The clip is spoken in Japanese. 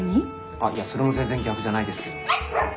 あっいやそれも全然「逆」じゃないですけど。